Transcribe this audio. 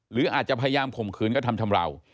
หรืออาจจะพยายามข่มขืนกระทำชำราว